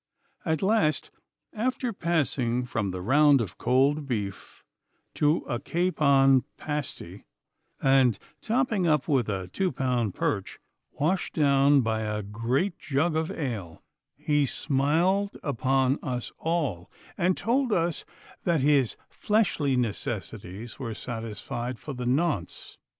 At last, after passing from the round of cold beef to a capon pasty, and topping up with a two pound perch, washed down by a great jug of ale, he smiled upon us all and told us that his fleshly necessities were satisfied for the nonce.